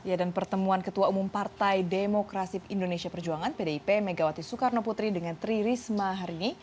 ya dan pertemuan ketua umum partai demokrasi indonesia perjuangan pdip megawati soekarno putri dengan tri risma hari ini